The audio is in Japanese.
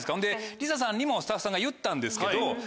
リサさんにもスタッフさんが言ったんですけど。